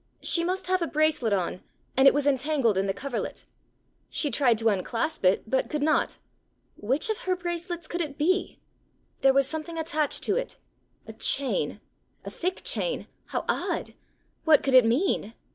She must have a bracelet on, and it was entangled in the coverlet! She tried to unclasp it, but could not: which of her bracelets could it be? There was something attached to it! a chain a thick chain! How odd! What could it mean?